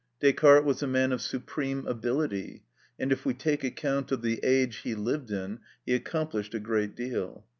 Descartes was a man of supreme ability, and if we take account of the age he lived in, he accomplished a great deal.